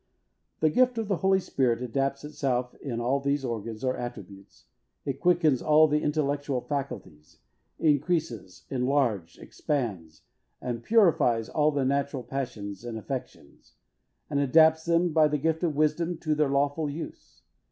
The gift of the Holy Spirit adapts itself to all these organs or attributes. It quickens all the intellectual faculties, increases, enlarges, expands and purifies all the natural passions and affections; and adapts them, by the gift of wisdom, to their lawful use.